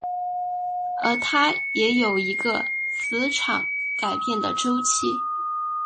而它也有一个磁场改变的周期。